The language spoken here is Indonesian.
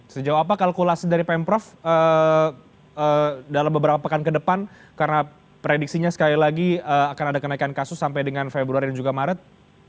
sejauh apa kalkulasi dari pemprov dalam beberapa pekan ke depan karena prediksinya sekali lagi akan ada kenaikan kasus sampai dengan februari dan juga maret